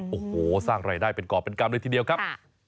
โอ้โหสร้างรายได้เป็นกรอบเป็นกรรมเลยทีเดียวครับ